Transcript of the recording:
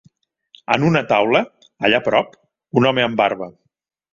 En una taula, allà prop, un home amb barba